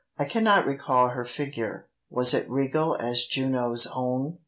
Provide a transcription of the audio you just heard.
I cannot recall her figure: Was it regal as Juno's own?